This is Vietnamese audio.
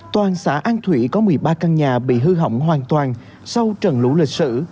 toàn xã an thủy có một mươi ba căn nhà bị hư hỏng hoàn toàn sau trận lũ lịch sử